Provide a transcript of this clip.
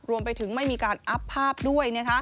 รวมไปถึงไม่มีการอัพภาพด้วย